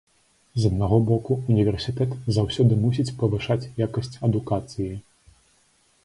З аднаго боку, універсітэт заўсёды мусіць павышаць якасць адукацыі.